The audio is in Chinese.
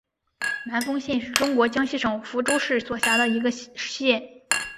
南丰县是中国江西省抚州市所辖的一个县。